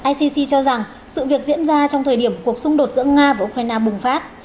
icc cho rằng sự việc diễn ra trong thời điểm cuộc xung đột giữa nga và ukraine bùng phát